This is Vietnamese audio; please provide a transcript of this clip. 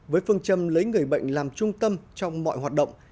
với phương châm lấy người bệnh làm trung tâm trong mọi hoạt động